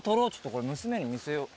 これ娘に見せよう。